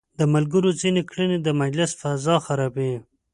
د ملګرو ځينې کړنې د مجلس فضا خرابوي.